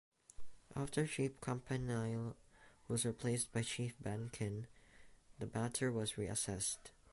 After Chief Campanale was replaced by Chief Benken the matter was reassessed.